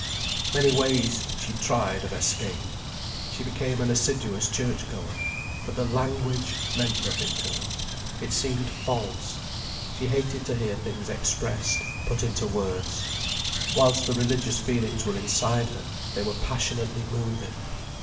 Many ways she tried, of escape. She became an assiduous church goer. But the language meant nothing to her: it seemed false. She hated to hear things expressed, put into words. Whilst the religious feelings were inside her they were passionately moving.